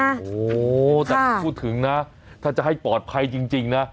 โอ้โหแต่พูดถึงนะถ้าจะให้ปลอดภัยจริงนะ